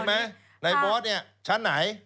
คุณเห็นไหมในบอสชั้นไหน